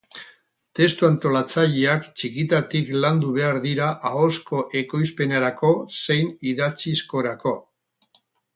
Testu antolatzaileak txikitatik landu behar dira ahozko ekoizpenerako zein idatzizkorako.